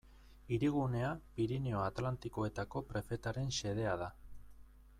Hirigunea Pirinio Atlantikoetako prefetaren xedea da.